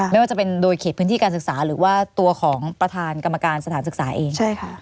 ไม่ว่าจะเป็นโดยเขตพื้นที่การศึกษาหรือว่าตัวของประธานกรรมการสถานศึกษาเอง